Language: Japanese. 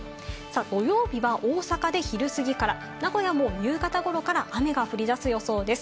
土曜日は大阪で昼過ぎから名古屋も夕方頃から雨が降り出す予想です。